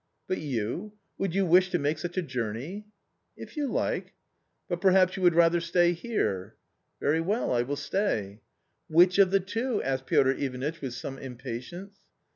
" But you ? Would you wish to make such a journey ?"" If you like." " But perhaps you would rather stay here ?"" Very well, I will stay." " Which of the two ?" asked Piotr Ivanitch with some impatience.